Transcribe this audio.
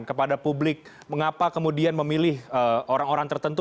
kepada publik mengapa kemudian memilih orang orang tertentu